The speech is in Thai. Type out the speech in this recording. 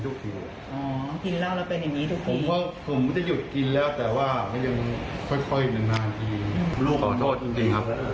รูปขอขอต้อนทุกทีครับ